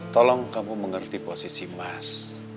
tolong kamu mengerti posisi mas